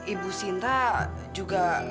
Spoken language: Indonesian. ibu sinta juga